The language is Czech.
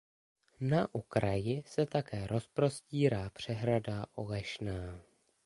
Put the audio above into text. Na okraji se také rozprostírá přehrada Olešná.